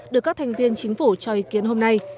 được các thành viên chính phủ cho ý kiến hôm nay